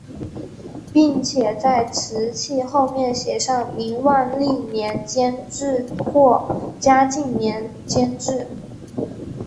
并且在瓷器后面写上明万历年间制或嘉靖年间制。